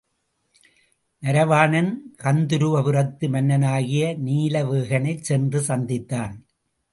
நரவாணன், கந்தருவபுரத்து மன்னனாகிய நீலவேகனைச் சென்று சந்தித்தான்.